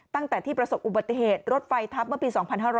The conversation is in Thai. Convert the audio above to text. ตั้งแต่ที่เมื่อประสบอุบัติเธนรถไฟทับเมื่อปี๒๕๖๐